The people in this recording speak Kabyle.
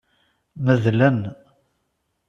Medlen.